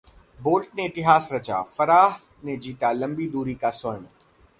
bolt ने इतिहास रचा, फराह ने जीता लंबी दूरी का स्वर्ण